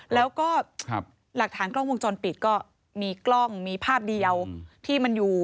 แล้วก็หลักฐานกล้องวงจรปิดก็มีกล้องมีภาพเดียวที่มันอยู่